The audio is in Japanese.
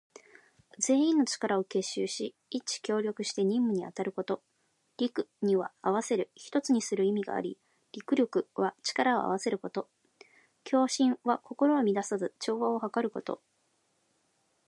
全員の力を結集し、一致協力して任務に当たること。「戮」には合わせる、一つにする意があり、「戮力」は力を合わせること。「協心」は心を乱さず、調和をはかること。